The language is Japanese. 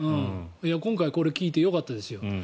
今回これを聞いてよかったですよ。